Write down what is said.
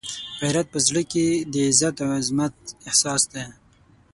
غیرت په زړه کې د عزت او عزمت احساس دی.